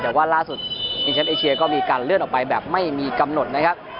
แต่ว่าล่าสุดชิงแชมป์เอเชียก็มีการเลื่อนออกไปแบบไม่มีกำหนดนะครับ